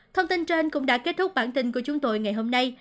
thông tin trên cũng đã kết thúc bản tin của chúng tôi ngày hôm nay